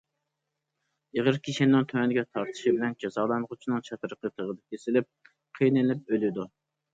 ئېغىر كىشەننىڭ تۆۋەنگە تارتىشى بىلەن، جازالانغۇچىنىڭ چاترىقى تىغدا كېسىلىپ، قىينىلىپ ئۆلىدۇ.